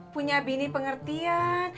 punya bini pengertian